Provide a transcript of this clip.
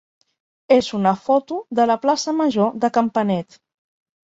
és una foto de la plaça major de Campanet.